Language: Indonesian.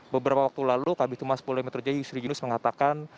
beberapa waktu lalu kb tumas polda metro jaya yusri yunus mengatakan